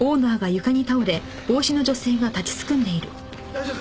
大丈夫？